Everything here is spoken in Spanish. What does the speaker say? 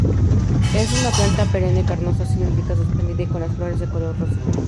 Es una planta perenne carnosa, cilíndrica-suspendida y con las flores de color rosa.